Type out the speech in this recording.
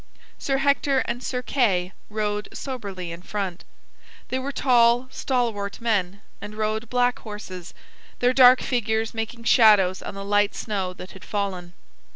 Sir Hector and Sir Kay rode soberly in front. They were tall, stalwart men and rode black horses, their dark figures making shadows on the light snow that had fallen.